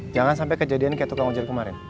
jangan sampai kejadian kayak tukang ojek kemarin